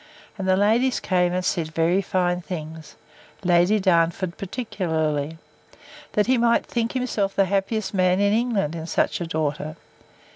And the ladies came, and said very fine things: Lady Darnford particularly, That he might think himself the happiest man in England, in such a daughter.